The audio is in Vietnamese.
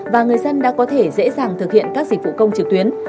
và người dân đã có thể dễ dàng thực hiện các dịch vụ công trực tuyến